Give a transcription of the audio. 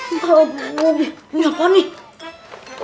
entar abu abu ini apa nih